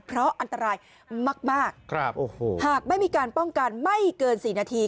เพราะอันตรายมากโอ้โหหากไม่มีการป้องกันไม่เกิน๔นาที